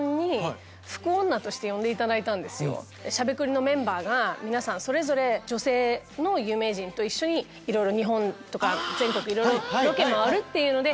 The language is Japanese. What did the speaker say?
『しゃべくり』のメンバーがそれぞれ女性の有名人と一緒に日本全国いろいろロケ回るっていうので。